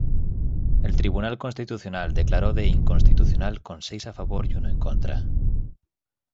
El Tribunal Constitucional declaró de inconstitucional con seis a favor y uno en contra.